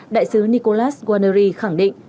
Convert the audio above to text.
đại sứ nicolas guarneri khẳng định